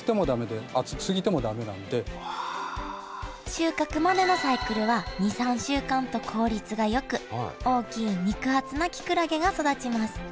収穫までのサイクルは２３週間と効率がよく大きい肉厚なきくらげが育ちます